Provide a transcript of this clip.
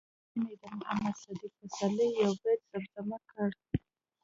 مينې د محمد صديق پسرلي يو بيت زمزمه کړ